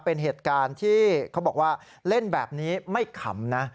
เป็นเหตุการณ์ที่เขาบอกว่าเล่นแบบนี้ไม่ขำนะ